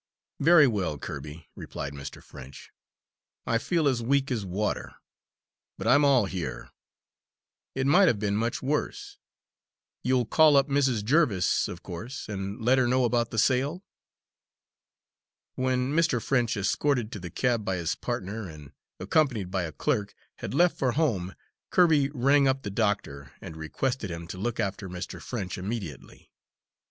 "Very well, Kirby," replied Mr. French, "I feel as weak as water, but I'm all here. It might have been much worse. You'll call up Mrs. Jerviss, of course, and let her know about the sale?" When Mr. French, escorted to the cab by his partner, and accompanied by a clerk, had left for home, Kirby rang up the doctor, and requested him to look after Mr. French immediately.